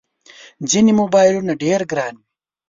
ځینې موبایلونه ډېر ګران وي.